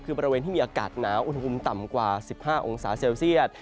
คือบริเวณที่มีอากาศหนาวอุณหภูมิต่ำกว่า๑๕องศาเซลเซียต